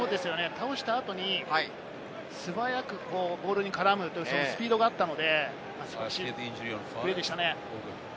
倒した後に素早くボールに絡むスピードがあったので、素晴らしいプレーでしたね。